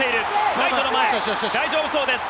ライトの前、大丈夫そうです。